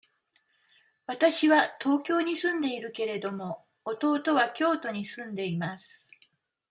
わたしは東京に住んでいるけれども、弟は京都に住んでいます。